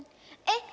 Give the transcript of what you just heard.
えっ